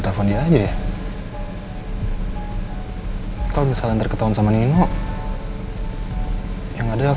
kita beristirahat ini knowing you all and knowing penipai kita yu tya ambud wajh ahh